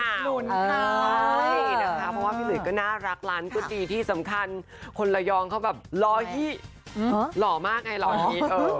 ใช่นะคะเพราะว่าพี่หลุยก็น่ารักร้านก็ดีที่สำคัญคนระยองเขาแบบร้อยยี่หล่อมากไงหล่อนี้